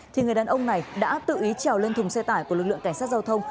thì người đàn ông này đã tự ý trèo lên thùng xe tải của lực lượng cảnh sát giao thông